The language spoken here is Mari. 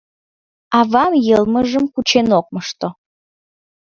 Авам йылмыжым кучен ок мошто.